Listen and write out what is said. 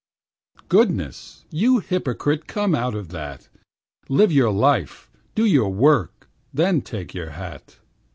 Goodness! you hypocrite, come out of that, Live your life, do your work, then take your hat.